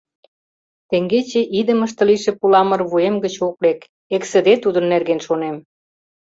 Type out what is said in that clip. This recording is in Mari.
Теҥгече идымыште лийше пуламыр вуем гыч ок лек, эксыде тудын нерген шонем.